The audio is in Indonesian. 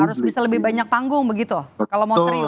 harus bisa lebih banyak panggung begitu kalau mau serius